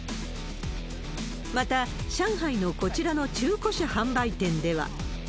また、上海のこちらの中古車販売店では。